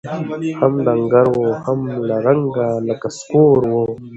هم ډنګر وو هم له رنګه لکه سکور وو